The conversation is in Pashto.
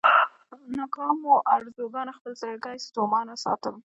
ناکامو ارزوګانو خپل زړګی ستومانه ساتم.